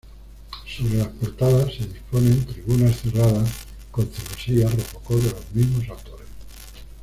Sobre las portadas se disponen tribunas cerradas con celosías rococó de los mismos autores.